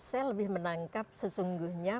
saya lebih menangkap sesungguhnya